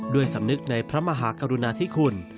ด้วยสำนึกในพระมหากรุณาธิคุณ